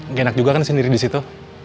nggak enak juga kan sendiri di situ